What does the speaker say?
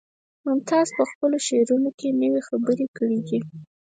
ممتاز په خپلو شعرونو کې نوې خبرې کړي دي